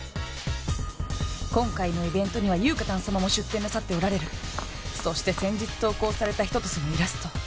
今回のイベントにはｙｕｕ−ｋａｔａｎ様も出店なさっておられるそして先日投稿された春夏秋冬のイラスト